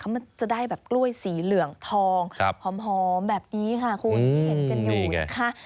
มันจะได้แบบกล้วยสีเหลืองทองหอมแบบนี้ค่ะคุณเห็นกันอยู่นะคะ